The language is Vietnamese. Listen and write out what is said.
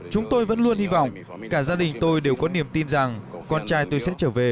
chúng tôi vẫn luôn hy vọng cả gia đình tôi đều có niềm tin rằng con trai tôi sẽ trở về